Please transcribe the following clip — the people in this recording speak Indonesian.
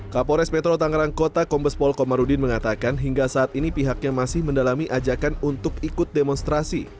kapolres metro tangerang kota kombespol komarudin mengatakan hingga saat ini pihaknya masih mendalami ajakan untuk ikut demonstrasi